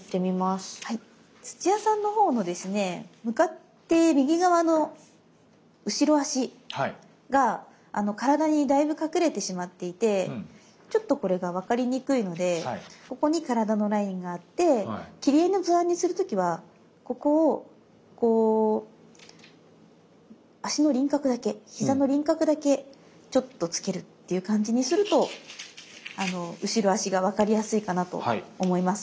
土屋さんのほうのですね向かって右側の後ろ足が体にだいぶ隠れてしまっていてちょっとこれが分かりにくいのでここに体のラインがあって切り絵の図案にする時はここをこう足の輪郭だけ膝の輪郭だけちょっとつけるっていう感じにすると後ろ足が分かりやすいかなと思います。